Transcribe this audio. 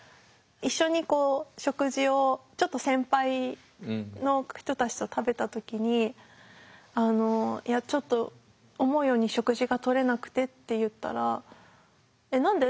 一緒にこう食事をちょっと先輩の人たちと食べた時にいやちょっと思うように食事がとれなくてって言ったら「えっ何で？